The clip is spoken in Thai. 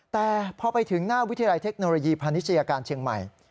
แต่พอไปถึงหน้าวิทยาลัยเทคโนโลยีพาณิชยาการเชียงใหม่